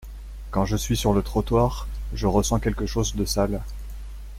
Quand je suis sur le trottoir, je ressens quelque chose de sale.